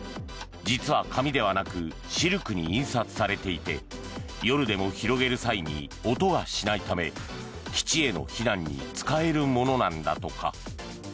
実は紙ではなくシルクに印刷されていて夜でも広げる際に音がしないため基地への避難に使えるものなんだとか。